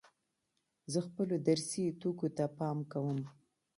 زه خپلو درسي توکو ته پام کوم.